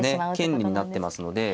権利になってますので。